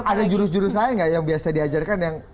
ada jurus jurus aja gak yang biasa diajarkan